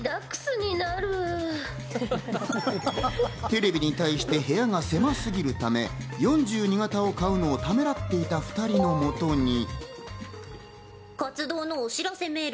テレビに対して部屋が狭すぎるため、４２型を買うのためらっていた２人のもとに。